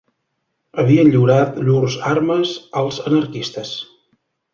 Havien lliurat llurs armes als anarquistes